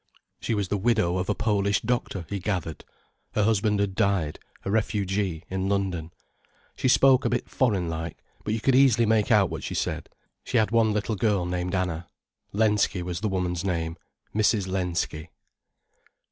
She was the widow of a Polish doctor, he gathered. Her husband had died, a refugee, in London. She spoke a bit foreign like, but you could easily make out what she said. She had one little girl named Anna. Lensky was the woman's name, Mrs. Lensky.